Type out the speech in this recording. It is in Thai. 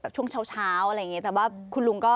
แบบช่วงเช้าอะไรอย่างเงี้ยแต่ว่าคุณลุงก็